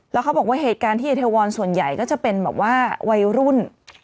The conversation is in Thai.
แล้วเขาบอกว่าเหตุการณ์ที่เอเทวอนส่วนใหญ่ก็จะเป็นแบบว่าวัยรุ่น